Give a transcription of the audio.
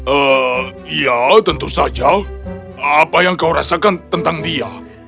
eh ya tentu saja apa yang kau rasakan tentang dia